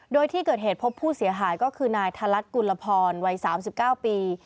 โดยที่เกิดเหตุพบผู้เสียหายก็คือนายธนัดกุลพรวัย๓๙ปี